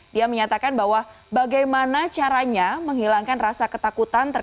dia menyatakan bahwa bagaimana caranya menghilangkan rasa ketakutan